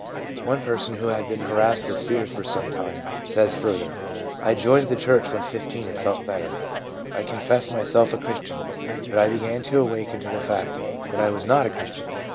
One person, who had been harassed with fears for some time, says further :' I joined the church when 15, and felt better. I con fessed myself a Christian, but I began to awaken to the fact that I was not a Christian.